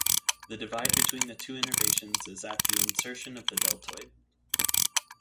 The divide between the two innervations is at the insertion of the deltoid.